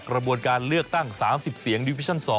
กระบวนการเลือกตั้ง๓๐เสียงดิวิชั่น๒